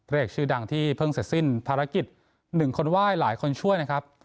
เอกชื่อดังที่เพิ่งเสร็จสิ้นภารกิจ๑คนไหว้หลายคนช่วยนะครับ